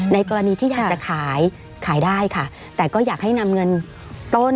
กรณีที่อยากจะขายขายได้ค่ะแต่ก็อยากให้นำเงินต้น